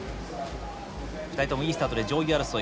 ２人ともいいスタートで上位争い。